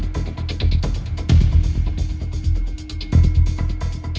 สวัสดีครับ